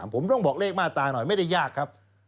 ผมต้องบอกเลขมาตราหน่อยไม่ได้ยากครับ